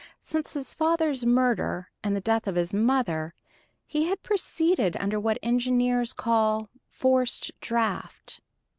Since his father's murder and the death of his mother, he had proceeded under what engineers call "forced draught."